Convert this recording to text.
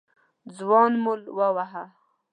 ځوان مول وواهه.